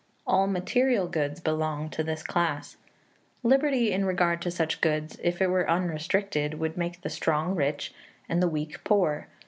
All material goods belong to this class. Liberty in regard to such goods, if it were unrestricted, would make the strong rich and the weak poor.